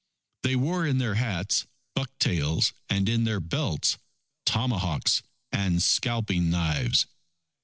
They wore in their hats, buck tails, and in their belts, tomahawks and scalping knives.